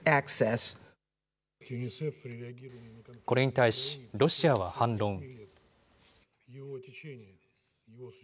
これに対し、ロシアは反論。